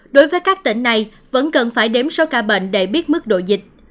đối với các tỉnh này vẫn cần phải đếm số ca bệnh để biết mức độ dịch